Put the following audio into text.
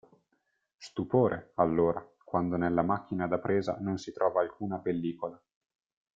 Stupore, allora, quando nella macchina da presa non si trova alcuna pellicola.